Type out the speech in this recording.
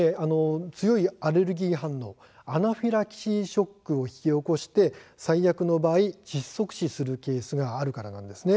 強いアレルギー反応アナフィラキシーショックを引き起こして最悪の場合窒息死するケースがあるからなんです。